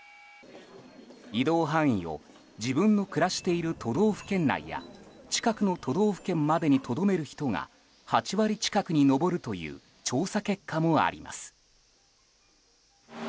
移動範囲を自分の暮らしている都道府県内や近くの都道府県までにとどめる人が８割近くに上るという調査結果もあります。